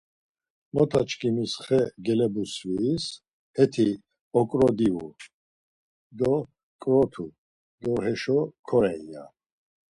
Mota çkimis xe gelebusviis heti okro divu, do ǩrotu do heşo koren ya.